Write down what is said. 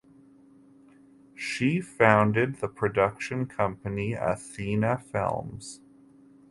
She founded the production company Athena Films.